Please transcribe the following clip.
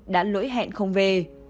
đã lỗi hẹn không về